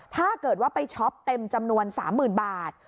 ถ้าเกิดว่าไปช็อปเต็มจำนวน๓๐๐๐บาท